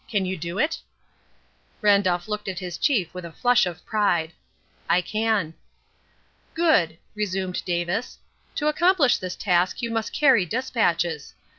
Can you do it?" Randolph looked at his chief with a flush of pride. "I can." "Good!" resumed Davis. "To accomplish this task you must carry despatches.